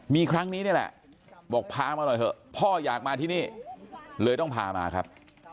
มีครั้งนี้นี่แหละบอกพามาหน่อยเถอะพ่ออยากมาที่นี่เลยต้องพามาครับ